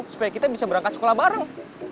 supaya kita bisa berangkat sekolah bareng